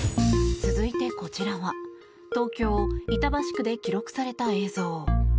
続いて、こちらは東京・板橋区で記録された映像。